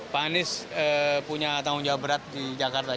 pak anies punya tanggung jawab berat di jakarta